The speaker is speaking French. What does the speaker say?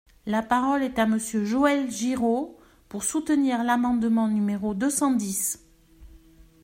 La parole est à Monsieur Joël Giraud, pour soutenir l’amendement numéro deux cent dix.